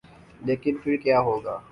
لیکن پھر کیا ہو گا؟